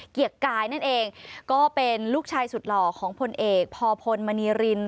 เกียรติกายนั่นเองก็เป็นลูกชายสุดหล่อของพลเอกพอพลมณีริน